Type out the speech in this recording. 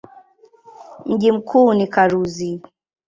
Mji mkuu ni Karuzi.